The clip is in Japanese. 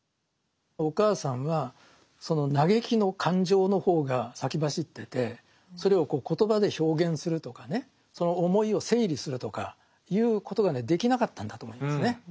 お母さんはその嘆きの感情の方が先走っててそれを言葉で表現するとかねその思いを整理するとかいうことがねできなかったんだと思いますね